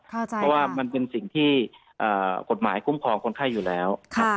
เพราะว่ามันเป็นสิ่งที่กฎหมายคุ้มครองคนไข้อยู่แล้ว